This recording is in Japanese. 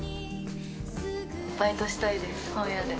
バイトしたいです、本屋で。